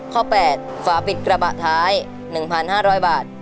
ข้อ๘ฝาปิดกระบะท้าย๑๕๐๐บาท